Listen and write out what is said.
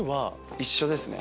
一緒ですね。